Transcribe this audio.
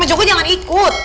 mas joko jangan ikut